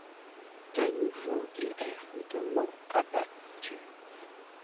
De nouveau, il est rudement abattu.